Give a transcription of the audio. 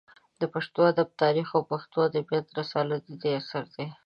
د پښتو ادب تاریخ او پښتو ادبیات رساله د ده اثار دي.